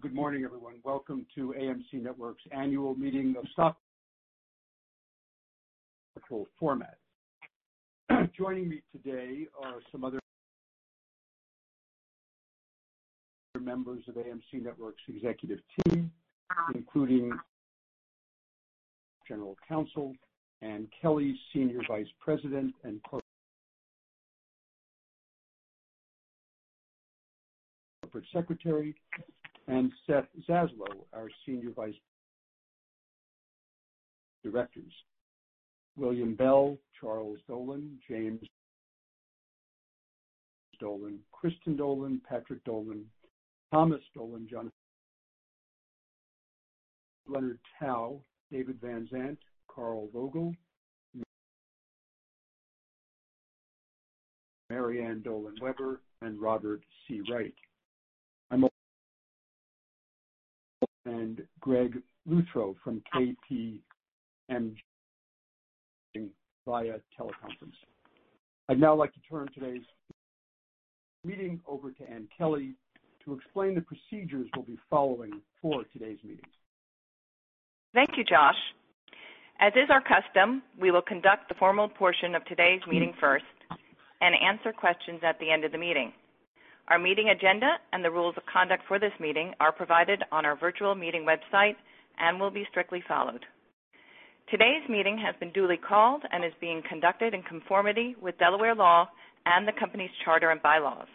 Good morning, everyone. Welcome to AMC Networks' annual meeting of stockholders. Joining me today are some other members of AMC Networks' executive team, including General Counsel Anne Kelly, Senior Vice President, and Corporate Secretary. And Seth Zaslow, our Senior Vice President. William Bell, Charles Dolan, James Dolan, Kristin Dolan, Patrick Dolan, Thomas Dolan, Jonathan, Leonard Tow, David Van Zandt, Carl Vogel, Marianne Dolan Weber, and Robert C. Wright. And Greg Luthro from KPMG via teleconference. I'd now like to turn today's meeting over to Anne Kelly to explain the procedures we'll be following for today's meeting. Thank you, Josh. As is our custom, we will conduct the formal portion of today's meeting first and answer questions at the end of the meeting. Our meeting agenda and the rules of conduct for this meeting are provided on our virtual meeting website and will be strictly followed. Today's meeting has been duly called and is being conducted in conformity with Delaware law and the company's charter and bylaws.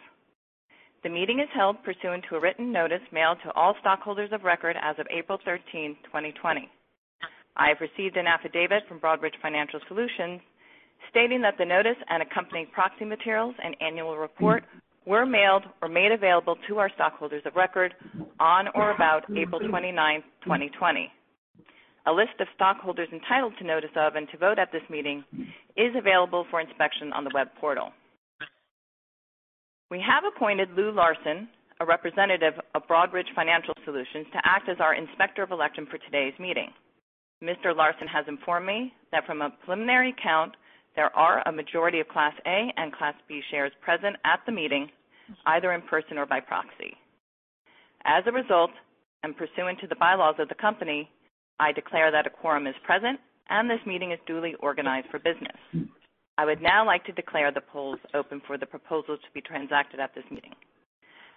The meeting is held pursuant to a written notice mailed to all stockholders of record as of April 13, 2020. I have received an affidavit from Broadridge Financial Solutions stating that the notice and accompanying proxy materials and annual report were mailed or made available to our stockholders of record on or about April 29, 2020. A list of stockholders entitled to notice of and to vote at this meeting is available for inspection on the web portal. We have appointed Lou Larson, a representative of Broadridge Financial Solutions, to act as our inspector of election for today's meeting. Mr. Larson has informed me that from a preliminary count, there are a majority of Class A and Class B shares present at the meeting, either in person or by proxy. As a result, and pursuant to the bylaws of the company, I declare that a quorum is present and this meeting is duly organized for business. I would now like to declare the polls open for the proposals to be transacted at this meeting.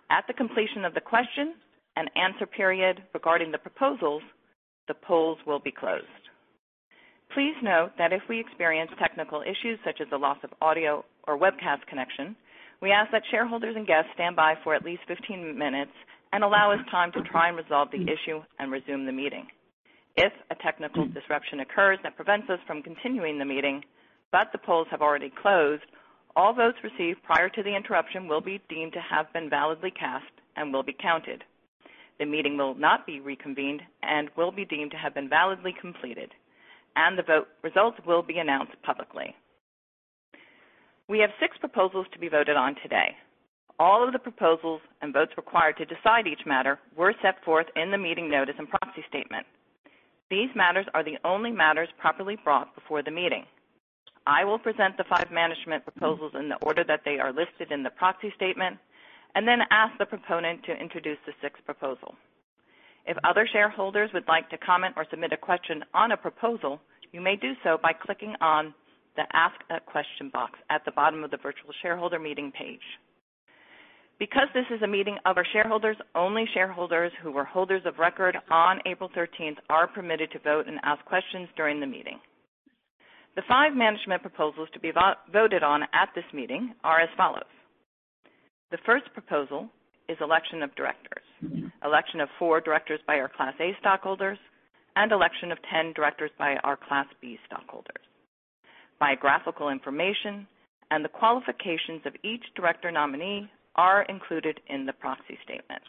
At the completion of the question and answer period regarding the proposals, the polls will be closed. Please note that if we experience technical issues such as the loss of audio or webcast connection, we ask that shareholders and guests stand by for at least 15 minutes and allow us time to try and resolve the issue and resume the meeting. If a technical disruption occurs that prevents us from continuing the meeting but the polls have already closed, all votes received prior to the interruption will be deemed to have been validly cast and will be counted. The meeting will not be reconvened and will be deemed to have been validly completed, and the vote results will be announced publicly. We have six proposals to be voted on today. All of the proposals and votes required to decide each matter were set forth in the meeting notice and proxy statement. These matters are the only matters properly brought before the meeting. I will present the five management proposals in the order that they are listed in the proxy statement and then ask the proponent to introduce the sixth proposal. If other shareholders would like to comment or submit a question on a proposal, you may do so by clicking on the Ask a Question box at the bottom of the virtual shareholder meeting page. Because this is a meeting of our shareholders, only shareholders who were holders of record on April 13 are permitted to vote and ask questions during the meeting. The five management proposals to be voted on at this meeting are as follows. The first proposal is election of directors, election of four directors by our Class A stockholders, and election of 10 directors by our Class B stockholders. Biographical information and the qualifications of each director nominee are included in the proxy statement.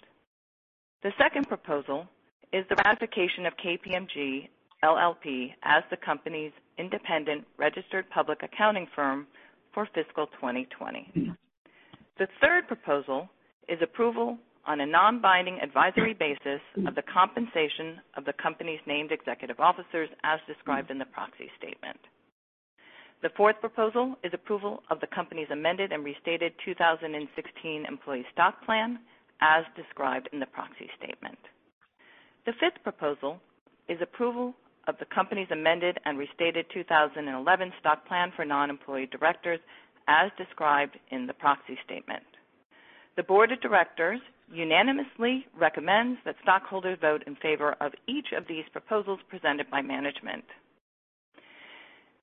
The second proposal is the ratification of KPMG LLP as the company's independent registered public accounting firm for fiscal 2020. The third proposal is approval on a non-binding advisory basis of the compensation of the company's named executive officers as described in the proxy statement. The fourth proposal is approval of the company's amended and restated 2016 Employee Stock Plan as described in the proxy statement. The fifth proposal is approval of the company's amended and restated 2011 Stock Plan for Non-Employee Directors as described in the proxy statement. The board of directors unanimously recommends that stockholders vote in favor of each of these proposals presented by management.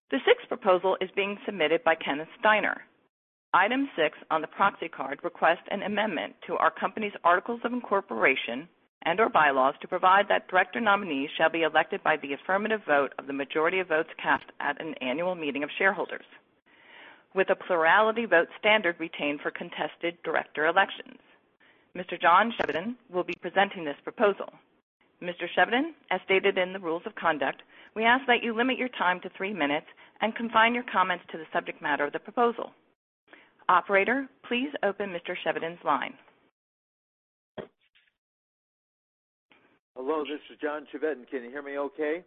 The sixth proposal is being submitted by Kenneth Steiner. Item six on the proxy card requests an amendment to our company's articles of incorporation and/or bylaws to provide that director nominees shall be elected by the affirmative vote of the majority of votes cast at an annual meeting of shareholders, with a plurality vote standard retained for contested director elections. Mr. John Chevedden will be presenting this proposal. Mr. Chevedden, as stated in the rules of conduct, we ask that you limit your time to three minutes and confine your comments to the subject matter of the proposal. Operator, please open Mr. Chevedden's line. Hello, this is John Chevedden. Can you hear me okay?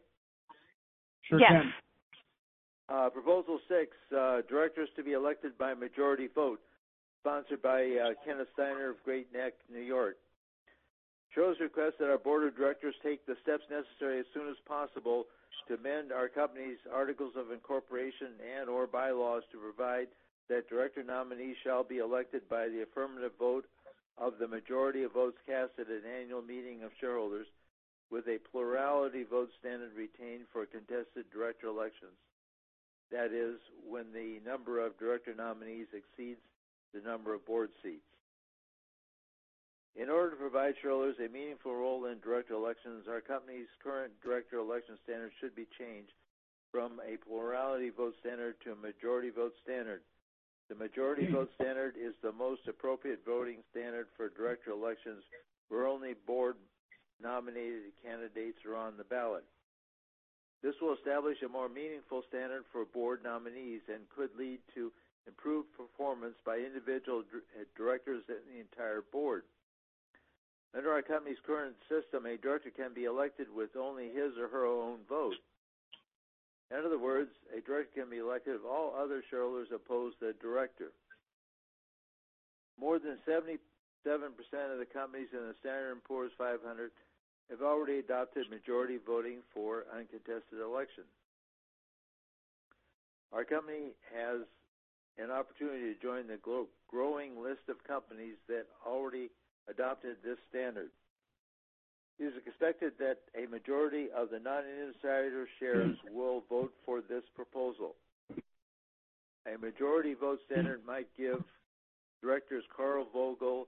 Sure, John. Yes. Proposal six, directors to be elected by majority vote, sponsored by Kenneth Steiner of Great Neck, New York. This request that our board of directors take the steps necessary as soon as possible to amend our company's Articles of Incorporation and/or Bylaws to provide that director nominees shall be elected by the affirmative vote of the majority of votes cast at an annual meeting of shareholders, with a plurality vote standard retained for contested director elections. That is, when the number of director nominees exceeds the number of board seats. In order to provide shareholders a meaningful role in director elections, our company's current director election standard should be changed from a plurality vote standard to a majority vote standard. The majority vote standard is the most appropriate voting standard for director elections where only board-nominated candidates are on the ballot. This will establish a more meaningful standard for board nominees and could lead to improved performance by individual directors and the entire board. Under our company's current system, a director can be elected with only his or her own vote. In other words, a director can be elected if all other shareholders oppose the director. More than 77% of the companies in the S&P 500 have already adopted majority voting for uncontested elections. Our company has an opportunity to join the growing list of companies that already adopted this standard. It is expected that a majority of the non-administrative shares will vote for this proposal. A majority vote standard might give directors Carl Vogel,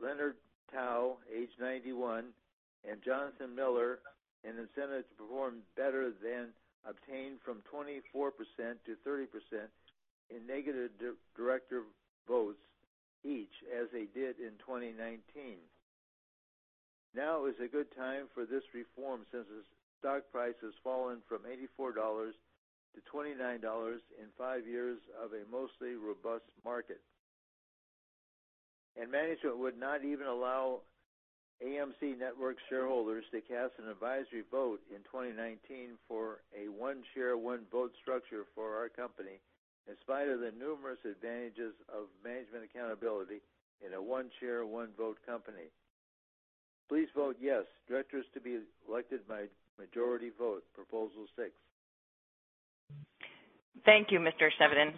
Leonard Tow, age 91, and Jonathan Miller an incentive to perform better than obtained from 24%-30% in negative director votes each, as they did in 2019. Now is a good time for this reform since the stock price has fallen from $84 to $29 in five years of a mostly robust market, and management would not even allow AMC Networks shareholders to cast an advisory vote in 2019 for a one-share, one-vote structure for our company, in spite of the numerous advantages of management accountability in a one-share, one-vote company. Please vote yes, directors to be elected by majority vote, proposal six. Thank you, Mr. Chevedden.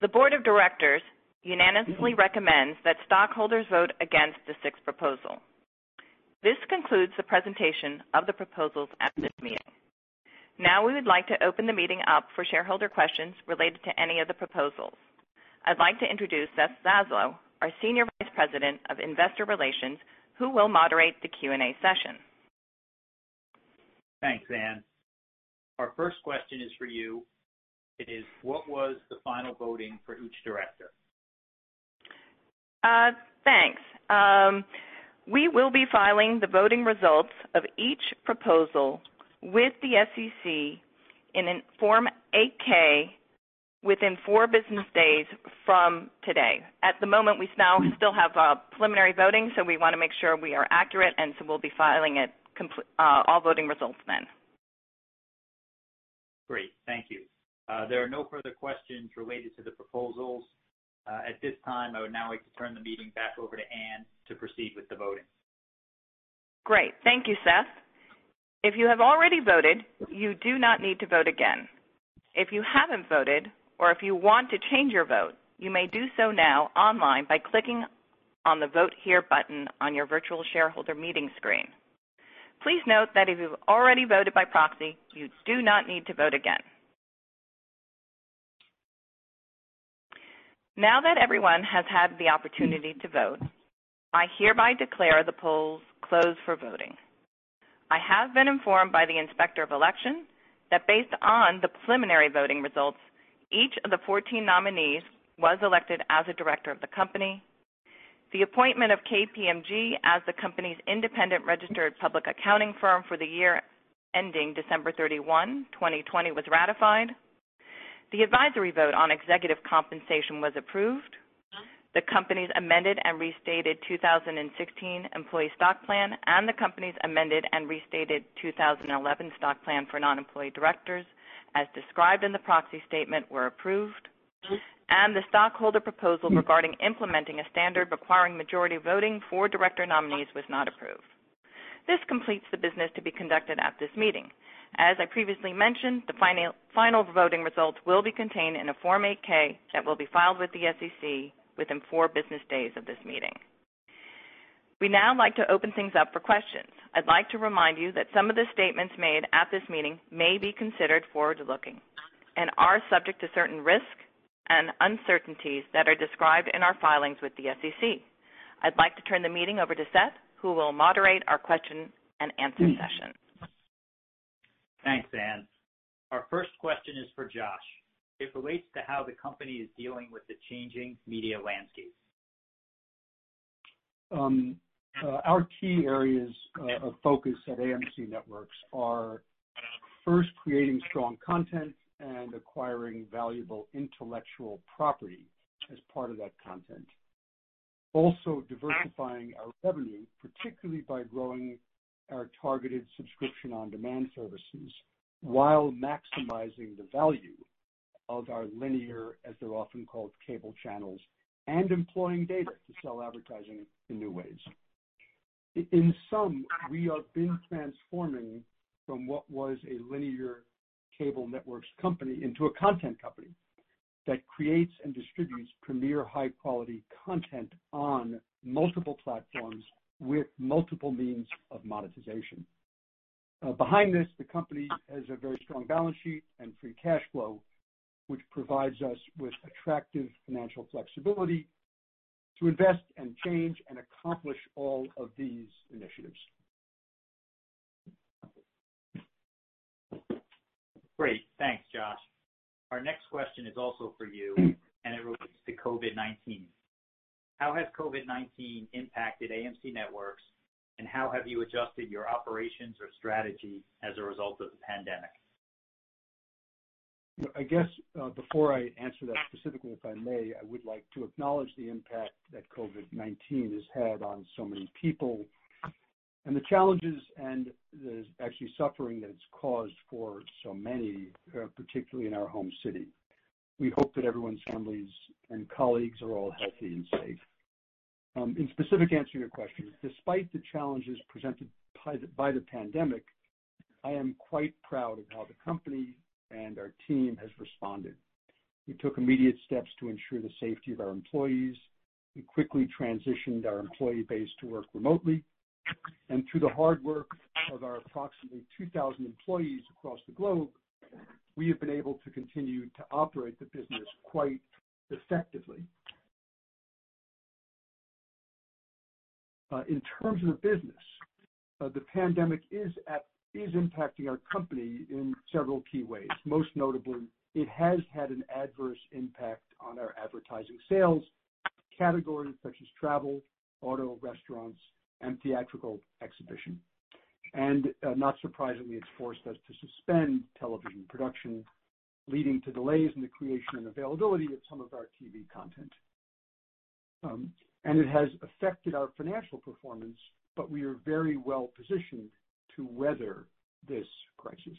The board of directors unanimously recommends that stockholders vote against the sixth proposal. This concludes the presentation of the proposals at this meeting. Now we would like to open the meeting up for shareholder questions related to any of the proposals. I'd like to introduce Seth Zaslow, our Senior Vice President of Investor Relations, who will moderate the Q&A session. Thanks, Anne. Our first question is for you. It is, what was the final voting for each director? Thanks. We will be filing the voting results of each proposal with the SEC in Form 8-K within four business days from today. At the moment, we now still have preliminary voting, so we want to make sure we are accurate, and so we'll be filing all voting results then. Great. Thank you. There are no further questions related to the proposals. At this time, I would now like to turn the meeting back over to Anne to proceed with the voting. Great. Thank you, Seth. If you have already voted, you do not need to vote again. If you haven't voted or if you want to change your vote, you may do so now online by clicking on the Vote Here button on your virtual shareholder meeting screen. Please note that if you've already voted by proxy, you do not need to vote again. Now that everyone has had the opportunity to vote, I hereby declare the polls closed for voting. I have been informed by the inspector of election that based on the preliminary voting results, each of the 14 nominees was elected as a director of the company. The appointment of KPMG as the company's independent registered public accounting firm for the year ending December 31, 2020, was ratified. The advisory vote on executive compensation was approved. The company's amended and restated 2016 Employee Stock Plan and the company's amended and restated 2011 Stock Plan for Non-Employee Directors, as described in the proxy statement, were approved, and the stockholder proposal regarding implementing a standard requiring majority voting for director nominees was not approved. This completes the business to be conducted at this meeting. As I previously mentioned, the final voting results will be contained in a Form 8-K that will be filed with the SEC within four business days of this meeting. We now would like to open things up for questions. I'd like to remind you that some of the statements made at this meeting may be considered forward-looking and are subject to certain risks and uncertainties that are described in our filings with the SEC. I'd like to turn the meeting over to Seth, who will moderate our question and answer session. Thanks, Anne. Our first question is for Josh. It relates to how the company is dealing with the changing media landscape. Our key areas of focus at AMC Networks are first creating strong content and acquiring valuable intellectual property as part of that content. Also, diversifying our revenue, particularly by growing our targeted subscription on-demand services while maximizing the value of our linear, as they're often called, cable channels and employing data to sell advertising in new ways. In sum, we have been transforming from what was a linear cable networks company into a content company that creates and distributes premier high-quality content on multiple platforms with multiple means of monetization. Behind this, the company has a very strong balance sheet and free cash flow, which provides us with attractive financial flexibility to invest and change and accomplish all of these initiatives. Great. Thanks, Josh. Our next question is also for you, and it relates to COVID-19. How has COVID-19 impacted AMC Networks, and how have you adjusted your operations or strategy as a result of the pandemic? I guess before I answer that specifically, if I may, I would like to acknowledge the impact that COVID-19 has had on so many people and the challenges and the actual suffering that it's caused for so many, particularly in our home city. We hope that everyone's families and colleagues are all healthy and safe. In specifically answering your question, despite the challenges presented by the pandemic, I am quite proud of how the company and our team has responded. We took immediate steps to ensure the safety of our employees. We quickly transitioned our employee base to work remotely, and through the hard work of our approximately 2,000 employees across the globe, we have been able to continue to operate the business quite effectively. In terms of the business, the pandemic is impacting our company in several key ways. Most notably, it has had an adverse impact on our advertising sales categories such as travel, auto, restaurants, and theatrical exhibition. And not surprisingly, it's forced us to suspend television production, leading to delays in the creation and availability of some of our TV content. And it has affected our financial performance, but we are very well positioned to weather this crisis.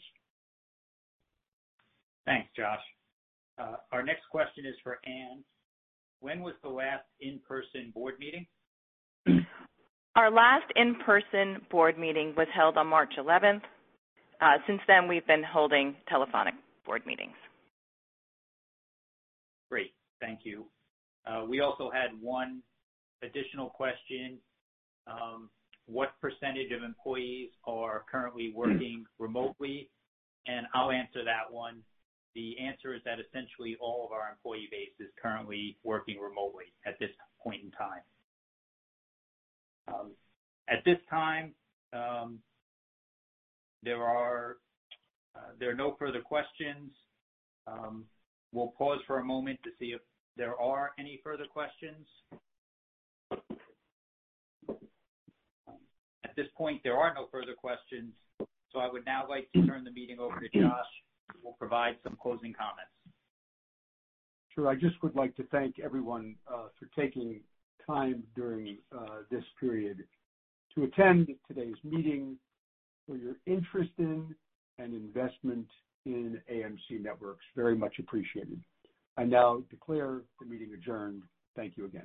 Thanks, Josh. Our next question is for Anne. When was the last in-person board meeting? Our last in-person board meeting was held on March 11th. Since then, we've been holding telephonic board meetings. Great. Thank you. We also had one additional question. What percentage of employees are currently working remotely? And I'll answer that one. The answer is that essentially all of our employee base is currently working remotely at this point in time. At this time, there are no further questions. We'll pause for a moment to see if there are any further questions. At this point, there are no further questions. So I would now like to turn the meeting over to Josh, who will provide some closing comments. Sure. I just would like to thank everyone for taking time during this period to attend today's meeting. For your interest in and investment in AMC Networks, very much appreciated. I now declare the meeting adjourned. Thank you again.